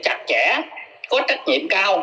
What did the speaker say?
chặt chẽ có trách nhiệm cao